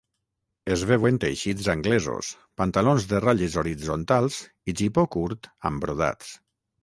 Es veuen teixits anglesos, pantalons de ratlles horitzontals i gipó curt amb brodats.